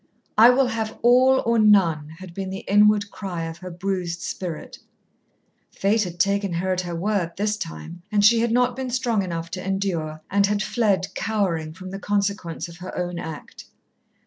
"I will have all or none" had been the inward cry of her bruised spirit. Fate had taken her at her word, this time, and she had not been strong enough to endure, and had fled, cowering, from the consequence of her own act.